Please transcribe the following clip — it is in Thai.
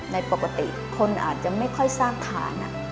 ในปกติคนอาจจะไม่ค่อยสร้างฐาน